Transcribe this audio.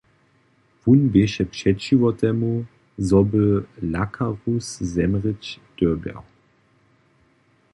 Wón běše přećiwo temu, zo bě Lacarus zemrěć dyrbjał.